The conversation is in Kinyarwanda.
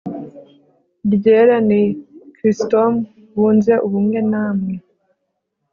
ryera ni Kristom wunze ubumwe namwe